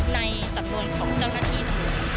ในสำนวนของเจ้าหน้าที่ตำรวจ